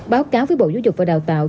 báo cáo với bộ giáo dục và đào tạo